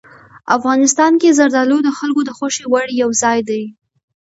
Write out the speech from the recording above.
افغانستان کې زردالو د خلکو د خوښې وړ یو ځای دی.